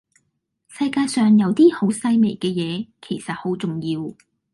世界上有啲好細微嘅嘢，其實好重要